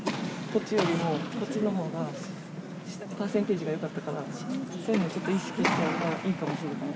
こっちよりもこっちのほうがパーセンテージがよかったから、そういうの意識したほうがいいかもしれない。